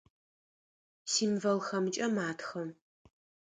Символхэмкӏэ матхэ.